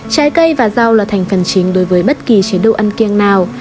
trái cây và rau là thành phần chính đối với bất kỳ chế độ ăn kiêng nào